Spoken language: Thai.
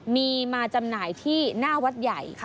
มีมาจำหน่ายที่หน้าวัดใหญ่